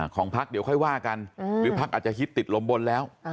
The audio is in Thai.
ของพักเดี๋ยวค่อยว่ากันหรือพักอาจจะฮิตติดลมบนแล้ว